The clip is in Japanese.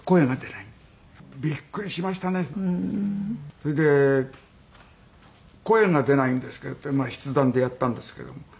それで「声が出ないんですけど」って筆談でやったんですけども。